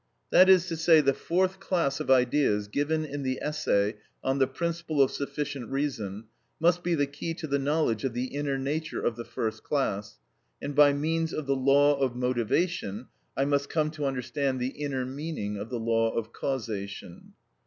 That is to say, the fourth class of ideas given in the Essay on the Principle of Sufficient Reason must be the key to the knowledge of the inner nature of the first class, and by means of the law of motivation I must come to understand the inner meaning of the law of causation.